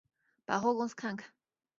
百货公司看看